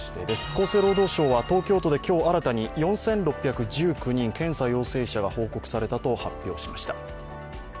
厚生労働省は東京都で今日新たに４６１９人検査陽性者が報告されたと発表しました。